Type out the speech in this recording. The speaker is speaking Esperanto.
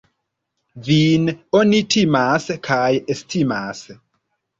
Vin oni timas kaj estimas.